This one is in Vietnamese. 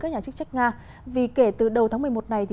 các nhà chức trách nga vì kể từ đầu tháng một mươi một này